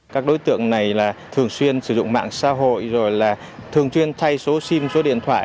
các đối tượng này thường xuyên sử dụng mạng xã hội thường xuyên thay số sim số điện thoại